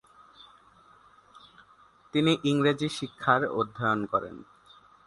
তিনি ইংরেজি শিক্ষার অধ্যয়ন করেন।